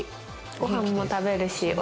ご飯も食べるしお